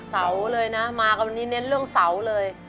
เสาเลยนะมากันวันนี้เน้นเรื่องเสาเลย